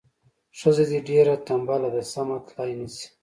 ښځه دې ډیره تنبله ده سمه تلای نه شي.